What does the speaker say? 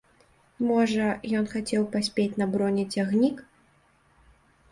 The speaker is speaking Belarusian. Можа, ён хацеў паспець на бронецягнік?